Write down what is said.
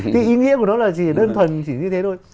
thì ý nghĩa của nó là chỉ đơn thuần chỉ như thế thôi